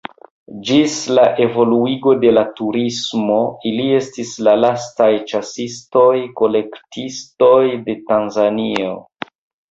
Ĝis la evoluigo de la turismo ili estis la lastaj ĉasistoj-kolektistoj de Tanzanio.